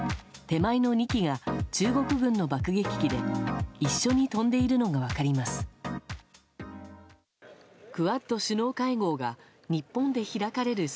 手前の２機が中国軍の爆撃機で一緒に飛んでいるのが分かります。